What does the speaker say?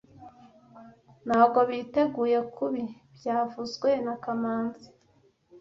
Ntabwo biteguye kubi byavuzwe na kamanzi